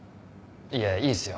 いやいいっすよ。